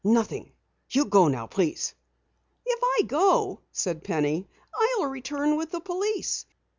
"Nothing. You go now, please." "If I go," said Penny, "I'll return with the police.